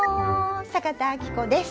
坂田阿希子です！